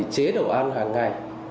chế độ ăn hàng ngày